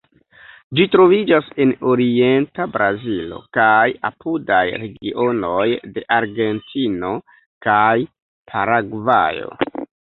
Ĝi troviĝas en orienta Brazilo kaj apudaj regionoj de Argentino kaj Paragvajo.